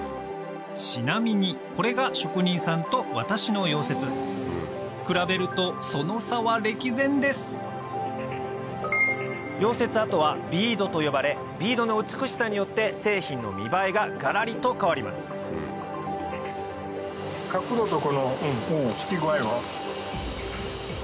ちなみにこれが職人さんと私の溶接比べるとその差は歴然です溶接跡はビードと呼ばれビードの美しさによって製品の見栄えががらりと変わりますなるほど。